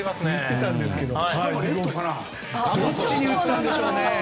どっちに打ったんでしょうね。